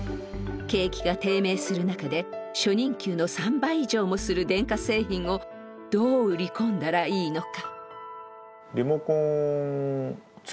景気が低迷する中で初任給の３倍以上もする電化製品をどう売り込んだらいいのか。